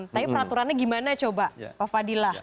tapi peraturannya gimana coba pak fadilah